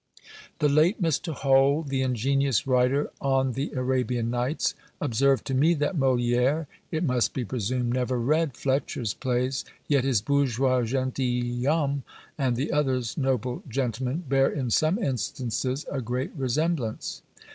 The late Mr. Hole, the ingenious writer on the Arabian Nights, observed to me that MoliÃẀre, it must be presumed, never read Fletcher's plays, yet his "Bourgeois Gentilhomme" and the other's "Noble Gentleman" bear in some instances a great resemblance.